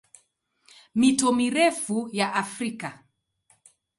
Mito mirefu ya Afrika